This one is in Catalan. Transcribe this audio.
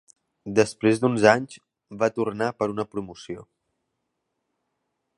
Després d'uns anys, va tornar per a una promoció.